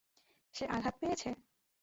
সে আঘাত পেয়েছে?